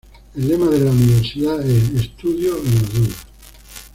El lema de la universidad es "Estudio en la duda.